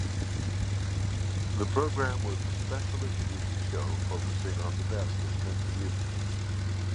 The programme was a specialist music show focusing on the best in country music.